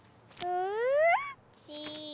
うん？